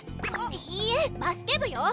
いいえバスケ部よ！